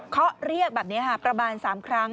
เขาเรียกแบบนี้ค่ะประมาณ๓ครั้ง